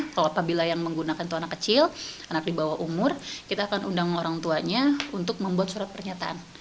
kalau apabila yang menggunakan itu anak kecil anak di bawah umur kita akan undang orang tuanya untuk membuat surat pernyataan